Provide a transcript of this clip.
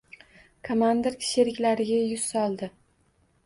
Komandir sheriklariga yuz soldi.